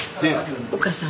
お母さん。